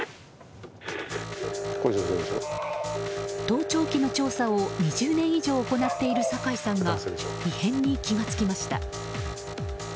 盗聴器の調査を２０年以上行っている酒井さんが異変に気が付きました。